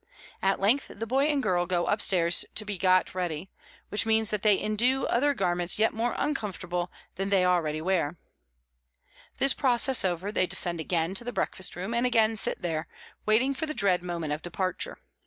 At length the boy and girl go upstairs to be "got ready," which means that they indue other garments yet more uncomfortable than those they already wear. This process over, they descend again to the breakfast room, and again sit there, waiting for the dread moment of departure.